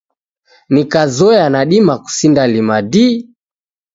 Nikazoya nadima kusindalima dii.